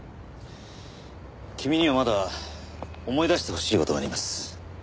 君にはまだ思い出してほしい事があります。